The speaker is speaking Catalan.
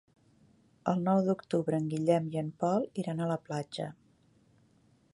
El nou d'octubre en Guillem i en Pol iran a la platja.